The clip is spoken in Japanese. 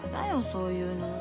そういうの。